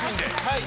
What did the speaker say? はい。